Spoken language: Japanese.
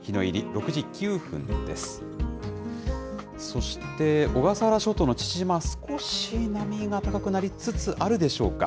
そして小笠原諸島の父島、少し波が高くなりつつあるでしょうか。